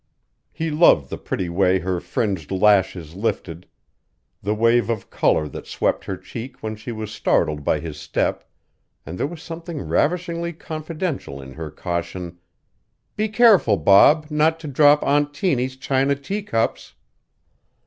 He loved the pretty way her fringed lashes lifted, the wave of color that swept her cheek when she was startled by his step; and there was something ravishingly confidential in her caution: "Be careful, Bob, not to drop Aunt Tiny's china teacups."